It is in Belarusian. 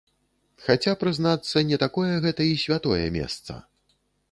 Хаця, прызнацца, не такое гэта і святое месца.